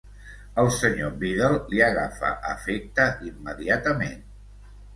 El Sr. Biddle li agafa afecte immediatament.